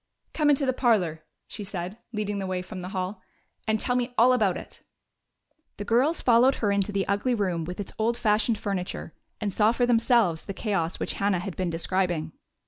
"Come into the parlor," she said, leading the way from the hall, "and tell me all about it." The girls followed her into the ugly room with its old fashioned furniture, and saw for themselves the chaos which Hannah had been describing.